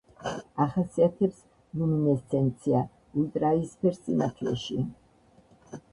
ახასიათებს ლუმინესცენცია ულტრაიისფერ სინათლეში.